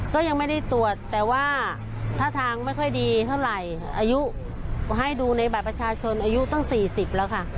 ก็ยังไม่ได้ตรวจแต่ว่าท่าทางไม่ค่อยดีเท่าไหร่อายุให้ดูในบัตรประชาชนอายุตั้ง๔๐แล้วค่ะ